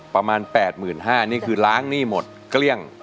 ประมาณ๘๕๐๐บาทนี่คือล้างหนี้หมดเกลี้ยง